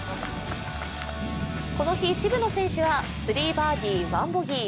この日、渋野選手は３バーディー１ボギー。